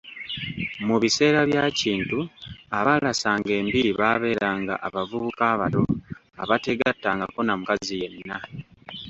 Mu biseera bya Kintu, abaalasanga embiri baabeeranga abavubuka abato abateegattangako na mukazi yenna.